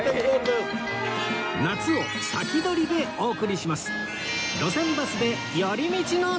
夏を先取りでお送りします